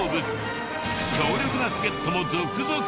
強力な助っ人も続々。